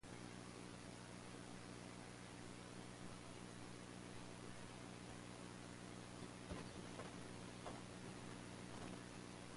Along with Whitby, they attempted mouth-to-mouth resuscitation and called an ambulance.